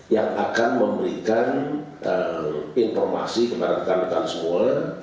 yang akan memberikan informasi kepada dekan dekan semua